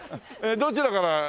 どちらから？